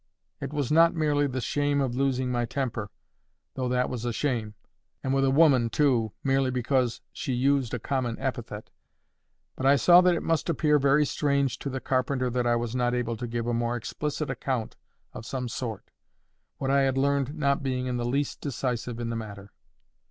It was not merely the shame of losing my temper, though that was a shame—and with a woman too, merely because she used a common epithet!—but I saw that it must appear very strange to the carpenter that I was not able to give a more explicit account of some sort, what I had learned not being in the least decisive in the matter.